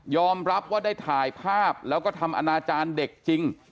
รับว่าได้ถ่ายภาพแล้วก็ทำอนาจารย์เด็กจริง